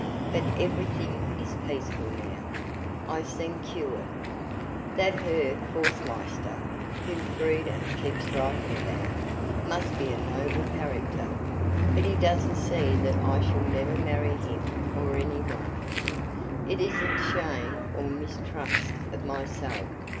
But everything is peaceful now; I seem cured. That Herr Forstmeister, whom Frieda keeps writing about, must be a noble character, but he doesn't see that I shall never marry him or anyone. It isn't shame or mistrust of myself.